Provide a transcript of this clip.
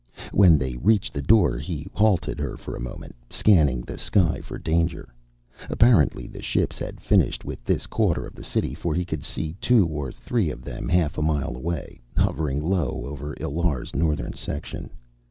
When they reached the door he halted her for a moment, scanning the sky for danger. Apparently the ships had finished with this quarter of the city, for he could see two or three of them half a mile away, hovering low over Illar's northern section.